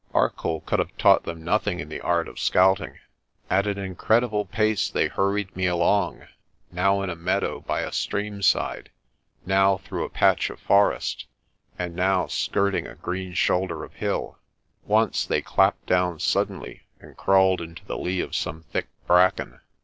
Arcoll could have taught them nothing in the art of scouting. At an incredible pace they hurried me along, now in a meadow by a stream side, now through a patch of forest, and now skirting a green shoulder of hill. Once they clapped down suddenly, and crawled into the lee of some thick bracken.